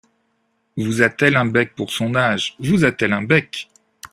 Vous a-t-elle un bec pour son âge ! vous a-t-elle un bec !